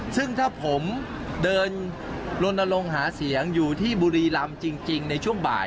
ซึ่งถ้าผมเดินลนลงหาเสียงอยู่ที่บุรีรำจริงในช่วงบ่าย